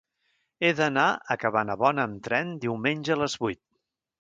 He d'anar a Cabanabona amb tren diumenge a les vuit.